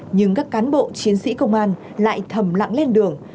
nhưng các cán bộ chiến sĩ công an lại thầm lặng lên đường